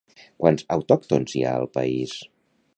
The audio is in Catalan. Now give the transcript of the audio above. Quants autòctons hi ha al país?